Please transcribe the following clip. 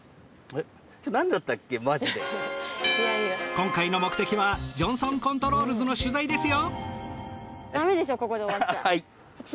今回の目的はジョンソンコントロールズの取材ですよ。